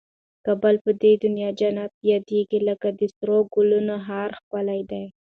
کابل په دي دونیا جنت یادېږي لکه د سرو ګلنو هار ښکلی دی